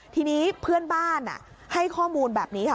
ทีนี้เพื่อนบ้านให้ข้อมูลแบบนี้ค่ะ